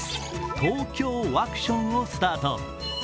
ＴＯＫＹＯワクションをスタート。